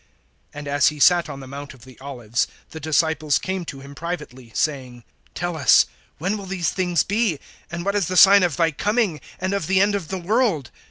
(3)And as he sat on the mount of the Olives, the disciples came to him privately, saying: Tell us, when will these things be, and what is the sign of thy coming and of the end of the world?